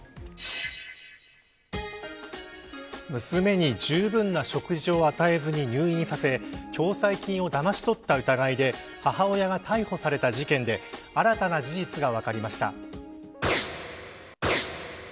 娘にじゅうぶんな食事を与えずに入院させ共済金をだまし取った疑いで母親が逮捕された事件で新たな事実が分かりました。